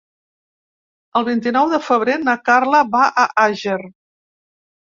El vint-i-nou de febrer na Carla va a Àger.